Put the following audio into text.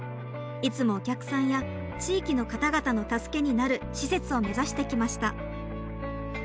いつもお客さんや地域の方々の助けになる施設を目指してきました。